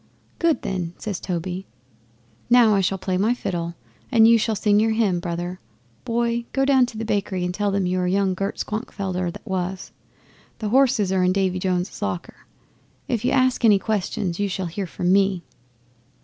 '"Good, then," says Toby. "Now I shall play my fiddle and you shall sing your hymn, brother. Boy, go down to the bakery and tell them you are young Gert Schwankfelder that was. The horses are in Davy jones's locker. If you ask any questions you shall hear from me."